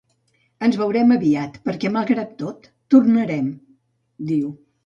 “Ens veurem aviat, perquè, malgrat tot, tornarem”, diu.